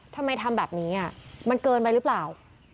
ทำแบบนี้มันเกินไปหรือเปล่า